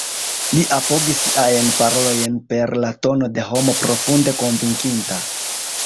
Li apogis siajn parolojn per la tono de homo profunde konvinkita.